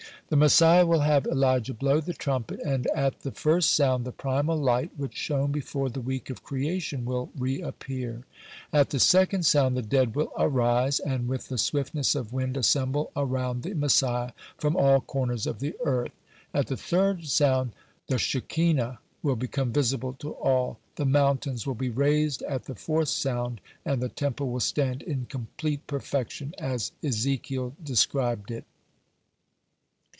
(114) The Messiah (115) will have Elijah blow the trumpet, and, at the first sound, the primal light, which shone before the week of Creation, will reappear; at the second sound the dead will arise, and with the swiftness of wind assemble around the Messiah from all corners of the earth; at the third sound, the Shekinah will become visible to all; the mountains will be razed at the fourth sound, and the Temple will stand in complete perfection as Ezekiel described it.